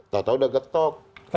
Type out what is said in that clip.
tau tau udah getok